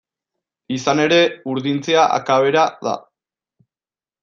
Izan ere, urdintzea akabera da.